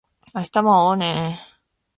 明日も会おうね